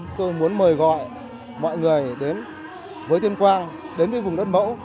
chúng tôi muốn mời gọi mọi người đến với tuyên quang đến với vùng đất mẫu